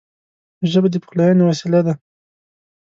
ژبه د پخلاینې وسیله ده